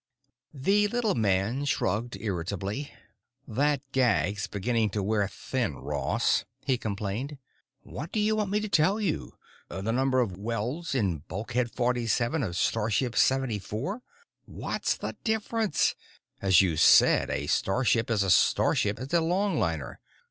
The little man shrugged irritably. "That gag's beginning to wear thin, Ross," he complained. "What do you want me to tell you—the number of welds in Bulkhead 47 of 'Starship 74'? What's the difference? As you said, a starship is a starship is a longliner.